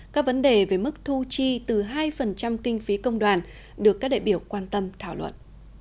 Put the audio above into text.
các vấn đề về mức thu chi từ hai kinh phí công đoàn được các đại biểu quan tâm thảo luận